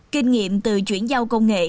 kinh nghiệm từ chuyển giao công nghệ